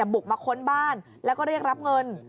บุกมาค้นบ้านแล้วก็เรียกรับเงิน